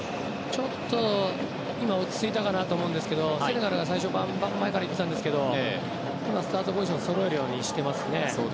ちょっと今落ち着いたかなと思いますがセネガルが最初、バンバン前から行ってたんですけど今はスタートポジションをそろえるようにしてますね。